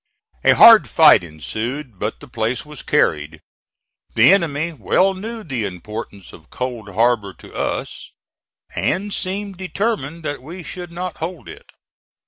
A hard fight ensued but the place was carried. The enemy well knew the importance of Cold Harbor to us, and seemed determined that we should not hold it.